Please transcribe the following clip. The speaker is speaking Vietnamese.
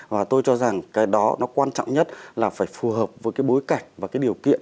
và tôi cho rằng cái đó nó quan trọng nhất là phải phù hợp với cái bối cảnh và cái điều kiện